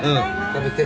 食べて。